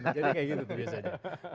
jadi kayak gitu tuh biasanya